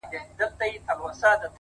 په توره کار دومره سم نسي مگر,